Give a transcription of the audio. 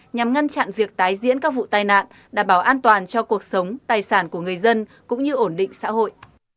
nhằm ngăn chặn việc tái diễn các vụ tai nạn đảm bảo an toàn cho cuộc sống tài sản của người dân cũng như ổn định xã hội